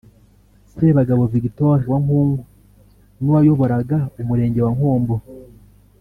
Sebagabo Victor wa Nkungu n’uwayoboraga Umurenge wa Nkombo